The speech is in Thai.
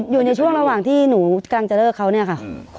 อยู่ในช่วงระหว่างที่หนูกำลังจะเลิกเขาเนี่ยค่ะ